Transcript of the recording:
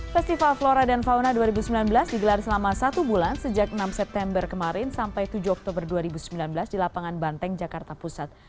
festival flora dan fauna dua ribu sembilan belas digelar selama satu bulan sejak enam september kemarin sampai tujuh oktober dua ribu sembilan belas di lapangan banteng jakarta pusat